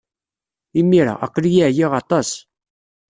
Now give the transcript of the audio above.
Imir-a, aql-iyi ɛyiɣ aṭas.